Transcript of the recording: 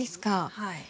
はい。